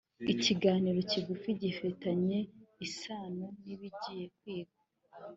ikiganiro kigufi gifitanye isano n’ibigiye kwigwa